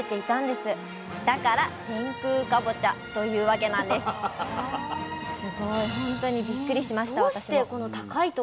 だから天空かぼちゃというわけなんです